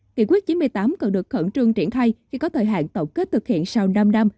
nghị quyết chín mươi tám cần được khẩn trương triển thay khi có thời hạn tổng kết thực hiện sau năm năm